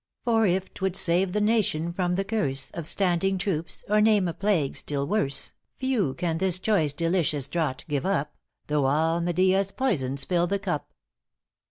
```For if 'twould save the nation from the curse ```Of standing troups or name a plague still worse, ```Few can this choice delicious draught give up, ```Though all Medea's poisons fill the cup.)